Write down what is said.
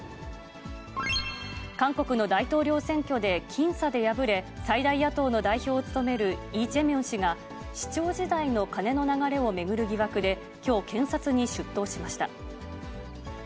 韓国の大統領選挙で僅差で敗れ、最大野党の代表を務めるイ・ジェミョン氏が、市長時代のカネの流れを巡る疑惑で、きょう、検察に出頭しました。